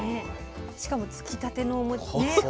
しかもつきたてのおもちね。